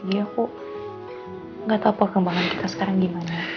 ya aku gak tau perkembangan kita sekarang gimana